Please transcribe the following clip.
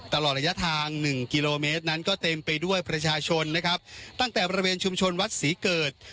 ตลอดระยะทางหนึ่งกิโลเมตรนั้นก็เต็มไปด้วยประชาชนนะครับตั้งแต่บริเวณชุมชนวัดศรีเกิด